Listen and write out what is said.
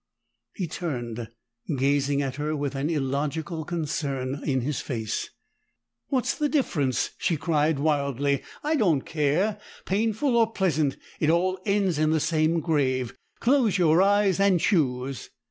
He turned, gazing at her with an illogical concern in his face. "What's the difference?" she cried wildly. "I don't care painful or pleasant, it all ends in the same grave! Close your eyes and choose!"